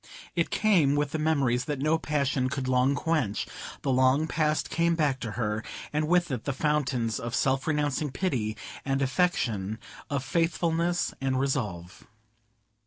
It came with the memories that no passion could long quench; the long past came back to her, and with it the fountains of self renouncing pity and affection, of faithfulness and resolve.